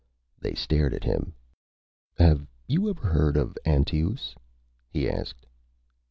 They stared at him. "Have you ever heard of Antaeus?" he asked.